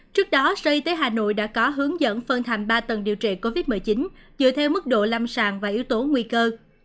trước đó sở y tế hà nội đã có hướng dẫn phân thành ba tầng điều trị covid một mươi chín dựa theo mức độ lâm sàng và yếu tố nguy cơ